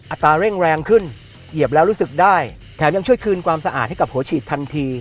ตาเร่งแรงขึ้นเหยียบแล้วรู้สึกได้แถมยังช่วยคืนความสะอาดให้กับหัวฉีดทันที